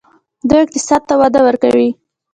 دوی اقتصاد ته وده ورکوي.